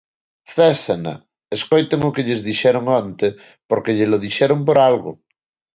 Césena, escoiten o que lles dixeron onte porque llelo dixeron por algo.